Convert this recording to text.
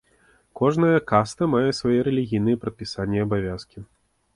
Кожная каста мае свае рэлігійныя прадпісанні і абавязкі.